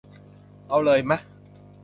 เอาเลยมะ ?